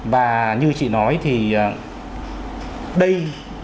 và như chị nói thì đây